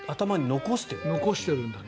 残してるんだね。